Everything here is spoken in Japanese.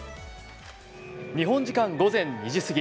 日本時間午前２時過ぎ